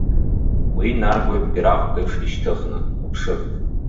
Уи наргоит бираҟк еиԥш ишьҭыхны, уԥшыр.